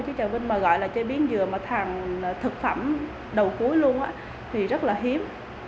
chứ trà vinh mà gọi là chế biến dừa mà thàng thực phẩm đầu cuối luôn thì rất là hiếm